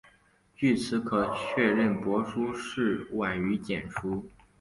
据此可确认帛书是晚于简书。